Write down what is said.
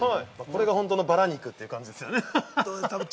◆これが本当のバラ肉っていう感じですよね。